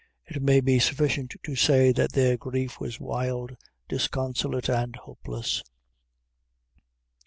It may be sufficient to say, that their grief was wild, disconsolate, and hopeless.